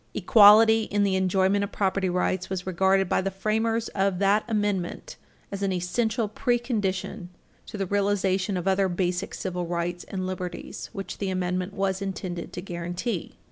Equality in the enjoyment of property rights was regarded by the framers of that Amendment as an essential pre condition to the realization of other basic civil rights and liberties which the Amendment was intended to guarantee.